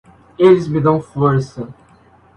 Eles me dão força.